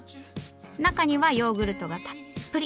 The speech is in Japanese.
中にはヨーグルトがたっぷり。